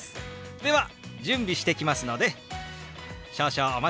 では準備してきますので少々お待ちください。